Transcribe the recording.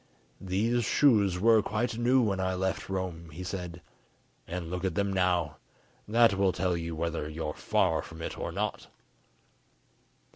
"These shoes were quite new when I left Rome," he said, "and look at them now; that will tell you whether you are far from it or not."